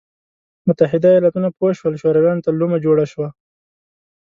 متحده ایالتونه پوه شول شورویانو ته لومه جوړه شوه.